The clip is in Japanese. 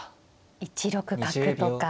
１六角とか。